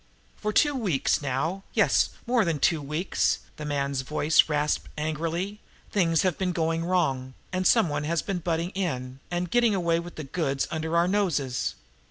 "For two weeks now, yes, more than two weeks" the man's voice rasped angrily "things have been going wrong, and some one has been butting in and getting away with the goods under our noses.